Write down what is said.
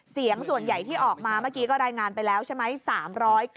เสียงส่วนใหญ่ที่ออกมาเมื่อกี้ก็รายงานไปแล้วใช่ไหม